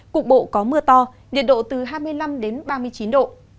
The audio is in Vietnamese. cục bộ có mưa to nhiệt độ từ hai mươi năm đến ba mươi chín độ